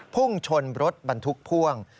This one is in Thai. พุ่งชนรถบรรทุกพ่วง